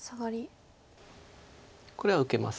これは受けます。